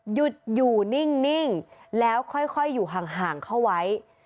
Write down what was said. หยุดอยู่นิ่งแล้วค่อยอยู่ห่างเข้าไว้